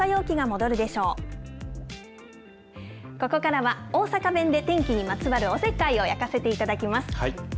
ここからは大阪弁で天気にまつわるおせっかいを焼かせていただきます。